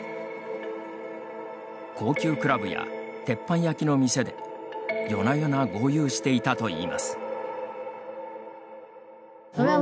高級クラブや鉄板焼きの店で夜な夜な豪遊していたといいます。